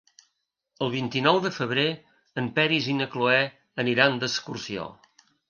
El vint-i-nou de febrer en Peris i na Cloè aniran d'excursió.